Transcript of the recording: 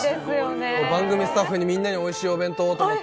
番組スタッフみんなにおいしいお弁当をと思って。